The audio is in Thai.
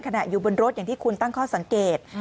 อยู่บนรถอย่างที่คุณตั้งข้อสังเกต